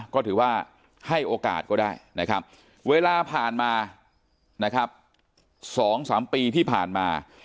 ก็ถือว่าให้โอกาสก็ได้นะครับเวลาผ่านมานะครับ๒๓ปีที่ผ่านมา